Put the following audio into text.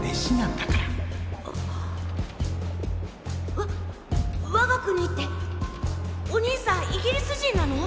わ我が国ってお兄さんイギリス人なの？